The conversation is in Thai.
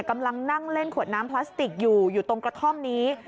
กำลังนั่งเล่นขวดน้ำพลาสติกอยู่อยู่ตรงกระท่อมนี้